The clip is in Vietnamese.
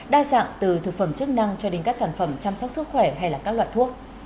đa dạng từ thực phẩm chức năng cho đến các sản phẩm chăm sóc sức khỏe hay các loại thuốc